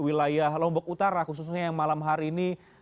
bagi anda yang ada di wilayah lombok utara khususnya yang malam hari ini